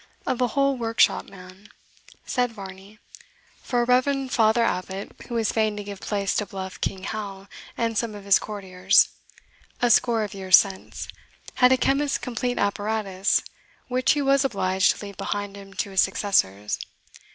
"Of a whole workshop, man," said Varney; "for a reverend father abbot, who was fain to give place to bluff King Hal and some of his courtiers, a score of years since, had a chemist's complete apparatus, which he was obliged to leave behind him to his successors.